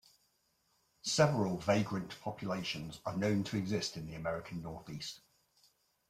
Several vagrant populations are known to exist in the American Northeast.